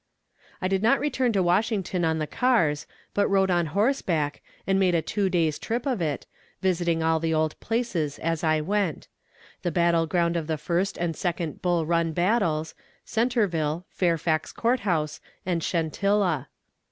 I did not return to Washington on the cars, but rode on horseback, and made a two days' trip of it, visiting all the old places as I went. The battle ground of the first and second Bull Run battles, Centerville, Fairfax Court House, and Chentilla.